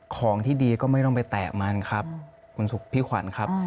ของที่ดีก็ไม่ต้องไปแตะมันครับคุณสุขพี่ขวัญครับ